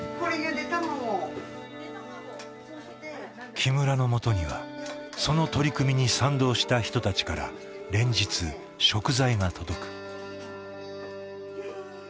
木村のもとにはその取り組みに賛同した人たちから連日食材が届く。